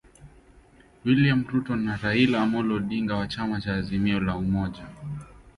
William Ruto na Raila Amollo Odinga wa chama cha Azimio la Umoja